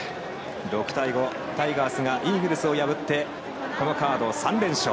６対５、タイガースがイーグルスを破ってこのカード３連勝。